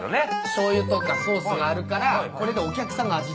しょうゆとかソースがあるからこれでお客さんが味付けをする。